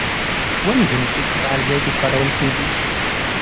ولې ځینې ټکي په هر ځای کې کارول کېږي؟